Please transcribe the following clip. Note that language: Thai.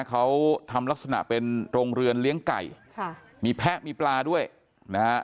เขาทำลักษณะเป็นโรงเรือนเลี้ยงไก่ค่ะมีแพะมีปลาด้วยนะฮะ